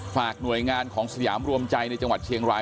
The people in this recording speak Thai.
ฝากหน่วยงานของสยามรวมใจในจังหวัดเชียงราย